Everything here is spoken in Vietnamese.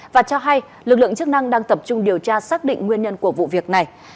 và cho hay lực lượng chức năng đang tập trung điều tra xác định nguyên nhân của vụ việc này